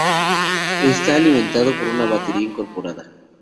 Está alimentado por una batería incorporada.